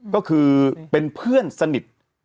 ก็คือเป็นเพื่อนสนิท